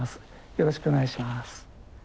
よろしくお願いします。